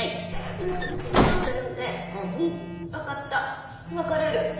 うんそうだよね分かった別れる。